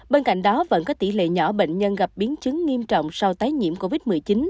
bên cạnh đó vẫn có tỷ lệ nhỏ bệnh nhân gặp biến chứng nghiêm trọng sau tái nhiễm covid một mươi chín